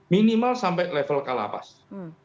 minimal sampai level kala paskah